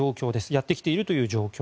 やってきているという状況。